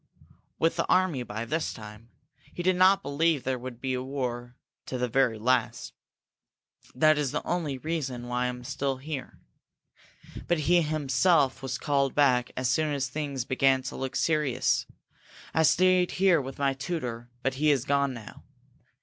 "With the army by this time! He did not believe there would be war, to the very last. That is the only reason I am still here. But he himself was called back as soon as things began to look serious. I stayed here with my tutor but he is gone now.